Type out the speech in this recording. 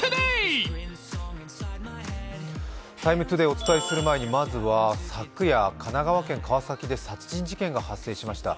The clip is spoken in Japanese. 「ＴＩＭＥ，ＴＯＤＡＹ」お伝えする前に、まずは昨夜、神奈川県川崎で殺人事件か発生しました。